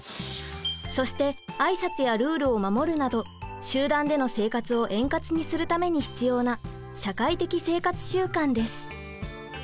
そして挨拶やルールを守るなど集団での生活を円滑にするために必要な社会的生活習慣です。